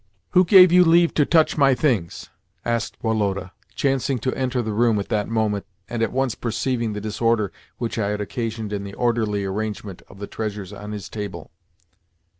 "Who gave you leave to touch my things?" asked Woloda, chancing to enter the room at that moment and at once perceiving the disorder which I had occasioned in the orderly arrangement of the treasures on his table.